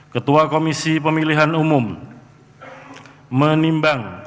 ketua komisi pemilihan umum menimbang